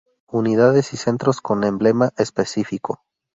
Unidades y centros con emblema específico.